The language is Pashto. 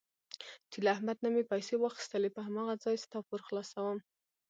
چې له احمد نه مې پیسې واخیستلې په هماغه ځای ستا پور خلاصوم.